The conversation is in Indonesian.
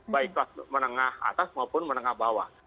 baiklah menengah atas maupun menengah bawah